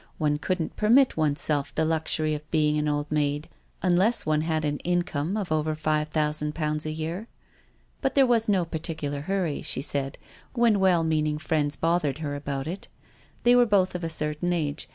One couldn't permit one's self the luxury of being an old maid, unless one had an income of over five thousand pounds a year. But there was no particular hurry, she said, when well meaning friends bothered her about it. They were both of a certain age.